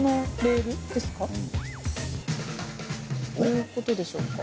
どういう事でしょうか。